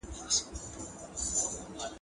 • چي خر نه لرې، خر نه ارزې.